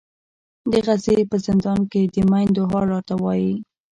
د غزې په زندان کې د میندو حال راته وایي.